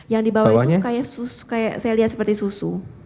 yang di bawah itu saya lihat seperti susu